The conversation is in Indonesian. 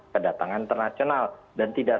kedatangan internasional dan tidak